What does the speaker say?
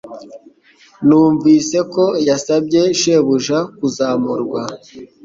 Numvise ko yasabye shebuja kuzamurwa.